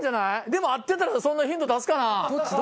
でも合ってたらそんなヒント出すかな？